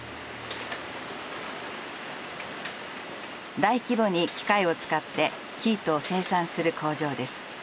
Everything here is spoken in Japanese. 大規模に機械を使って生糸を生産する工場です。